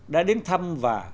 đã đến thăm và